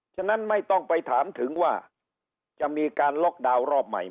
ฉะนั้นไม่ต้องไปถามถึงว่าจะมีการล็อกดาวน์รอบใหม่